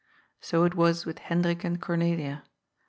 So it was with Hendrik and Cornelia.